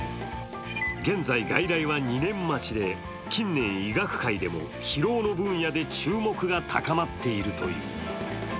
現在、外来は２年待ちで、近年、医学界でも疲労の分野で注目が高まっているという。